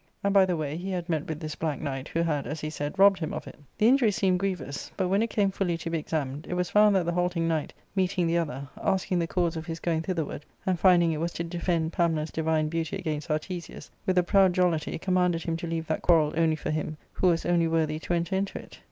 And, by the way, he had met with this black knight, who had, as he said, robbed him of it The injury seemed grievous ; but, when it came fully to be exaiyiined, it was found that the halting knight, meeting the other, asking the cause \ of his going thitherward, and finding it was to defend Pamela^s divine beauty against Artesia's, with a proud joUitie* I commanded him to leave that quarrel only for him, who was only worthy to enter into it.